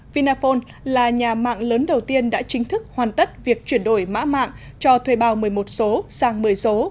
vinaphone là nhà mạng lớn đầu tiên đã chính thức hoàn tất việc chuyển đổi mã mạng cho thuê bao một mươi một số sang một mươi số